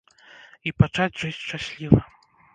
І пачаць жыць шчасліва.